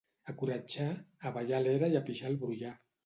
A Coratxà, a ballar a l'era i a pixar al brollar.